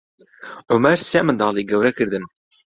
عومەر سێ منداڵی گەورە کردن.